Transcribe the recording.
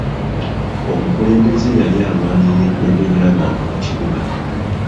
Omukulembeze yali alwanirira eddembe ly'abantu mu kibuga.